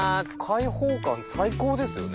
開放感最高ですよね。